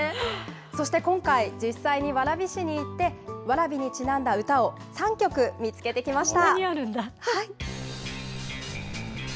そして今回、実際に蕨市に行って、蕨にちなんだ歌を３曲見つけてきました。